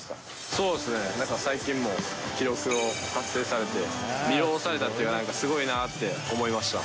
そうですね、なんか最近も、記録を達成されて、魅了されたっていうか、すごいなって思いました。